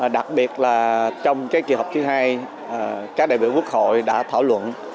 đặc biệt là trong kỳ họp thứ hai các đại biểu quốc hội đã thảo luận